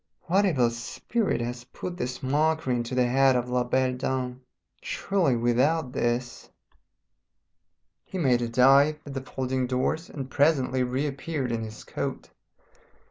What evil spirit has put this mockery into the head of La Belle Dame? Surely without this " He made a dive at the folding doors and presently reappeared in his coat.